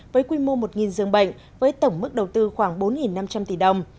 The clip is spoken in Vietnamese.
với quy mô một giường bệnh với tổng mức đầu tư khoảng bốn năm trăm linh tỷ đồng